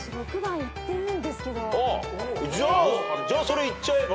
じゃあじゃあそれいっちゃえば？